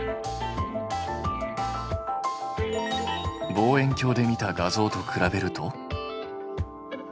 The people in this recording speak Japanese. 望遠鏡で見た画像と比べると。